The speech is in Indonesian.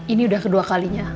ini udah kedua kalinya